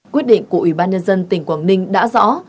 quyết định của ubnz tỉnh quảng ninh đã rõ